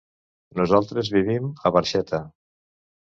Nosaltres vivim a Barxeta.